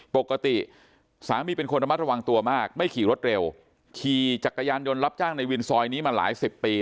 บอกว่าไม่คาดคิดว่าสามีจะมาเสียชีวิตแบบนี้